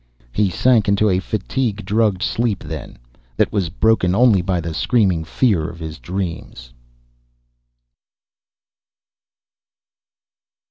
He sank into a fatigue drugged sleep then, that was broken only by the screaming fear of his dreams.